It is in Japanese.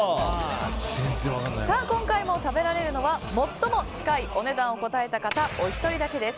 今回も食べられるのは最も近いお値段を答えた方お一人だけです。